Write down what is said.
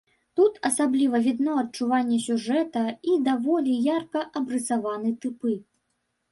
Тут асабліва відно адчуванне сюжэта і даволі ярка абрысаваны тыпы.